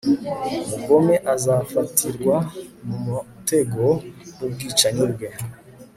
umugome azafatirwa mu mutego w'ubwicanyi bwe